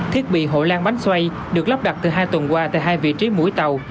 thiết bị hội lan bánh xoay được lắp đặt từ hai tuần qua tại hai vị trí mũi tàu